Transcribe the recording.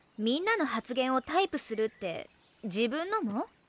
みんなの発言をタイプするって自分のも？